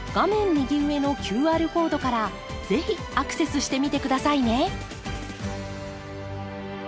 右上のＱＲコードから是非アクセスしてみて下さいね！